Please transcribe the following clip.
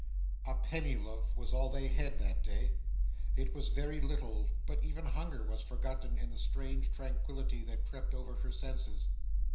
A penny loaf was all they had had that day. It was very little, but even hunger was forgotten in the strange tranquillity that crept over her senses.